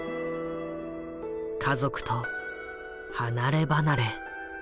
家族と離れ離れ。